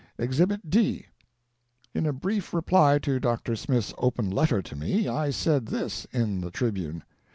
EXHIBIT D. In a brief reply to Dr. Smith's Open Letter to me, I said this in the Tribune.